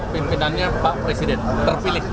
pimpinannya pak presiden terpilih